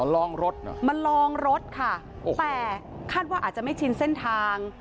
ลองรถเหรอมาลองรถค่ะแต่คาดว่าอาจจะไม่ชินเส้นทาง